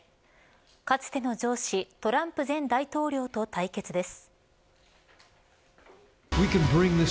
かつての上司トランプ前大統領と対決です。